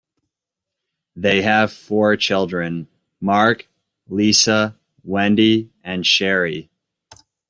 They have four children: Marc, Lisa, Wendy, and Sherry.